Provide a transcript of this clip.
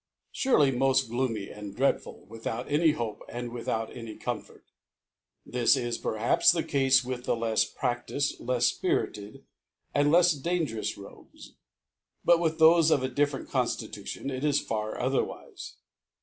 Surely moft gloomy and dreadful, without any Hope, and with out any Comfort. This is, perhaps, the Cafe with the lefs praftifed, Icfs fpirited, and lefs dangerous Rogues ; but with thofe of a different Conftitution it is far other wife.